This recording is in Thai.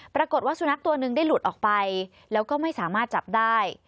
ปรากฏว่าสุนัขตัวหนึ่งได้หลุดออกไปแล้วก็ไม่สามารถจับได้